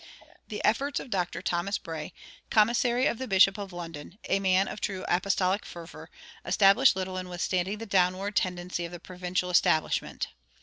The efforts of Dr. Thomas Bray, commissary of the Bishop of London, a man of true apostolic fervor, accomplished little in withstanding the downward tendency of the provincial establishment.